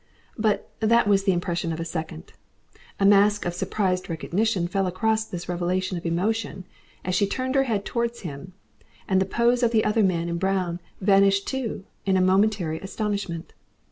But that was the impression of a second. A mask of surprised recognition fell across this revelation of emotion as she turned her head towards him, and the pose of the other man in brown vanished too in a momentary astonishment.